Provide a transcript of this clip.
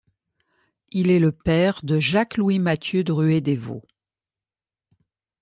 Il est le père de Jacques-Louis-Matthieu Druet-Desvaux.